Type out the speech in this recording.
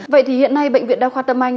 vậy thì hiện nay bệnh viện đa khoa tâm anh